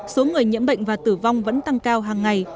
số người nhiễm bệnh và tử vong vẫn tăng cao hàng ngày